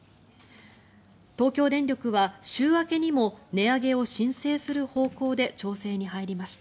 東京電力は週明けにも値上げを申請する方向で調整に入りました。